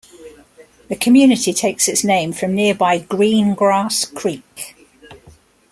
The community takes its name from nearby Green Grass Creek.